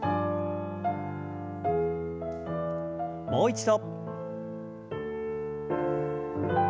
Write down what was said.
もう一度。